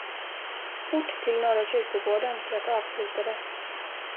Fort till Norra kyrkogården för att avsluta det.